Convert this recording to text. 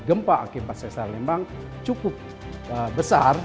gempa akibat sesar lembang cukup besar